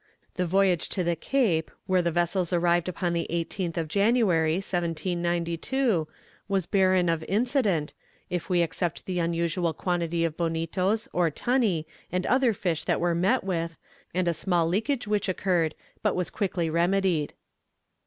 The voyage to the Cape, where the vessels arrived upon the 18th of January, 1792, was barren of incident, if we except the unusual quantity of bonitos, or tunny, and other fish that were met with, and a small leakage which occurred, but was quickly remedied.